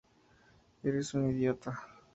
Eres un idiota.